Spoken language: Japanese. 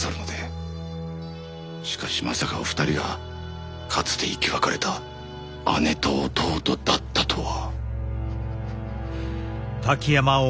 しかしまさかお二人がかつて生き別れた姉と弟だったとは。